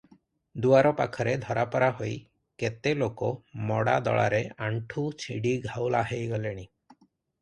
ଦୁଆର ପାଖରେ ଧରାପରା ହୋଇ କେତେ ଲୋକ ମଡ଼ା ଦଳାରେ ଆଣ୍ଠୁ ଛିଡି ଘାଉଲା ହୋଇଗଲେଣି ।